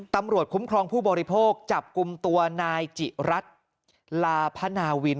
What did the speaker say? คุ้มครองผู้บริโภคจับกลุ่มตัวนายจิรัตน์ลาพนาวิน